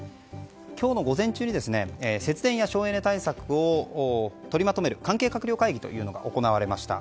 今日の午前中に節電や省エネ対策を取りまとめる関係閣僚会議が行われました。